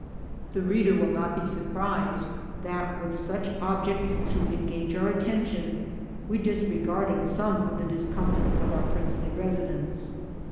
The reader will not be surprised that, with such ob jects to engage our attention, we disregarded some of the discomforts of our princely residence.